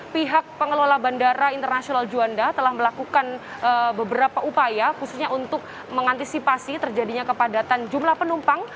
pihak pengelola bandara internasional juanda telah melakukan beberapa upaya khususnya untuk mengantisipasi terjadinya kepadatan jumlah penumpang